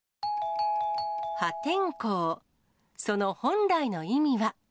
破天荒、その本来の意味は。